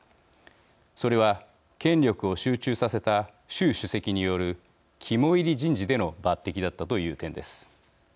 それは権力を集中させた習主席による肝煎り人事での抜てきだったという点です。